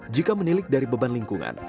jika menilik dari beban lingkungan